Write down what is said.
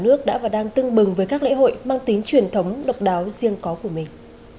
khắp nơi trên cả nước đã và đang tưng bừng với các lễ hội mang tính truyền thống độc đáo riêng có của mình